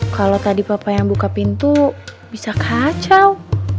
kalau tadi papa yang buka pintu bisa kacau